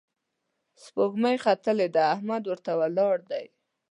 سپوږمۍ ختلې ده، احمد ورته ولياړ دی